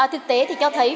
thực tế thì cho thấy